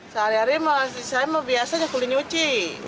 sehari hari saya biasanya kulit nyuci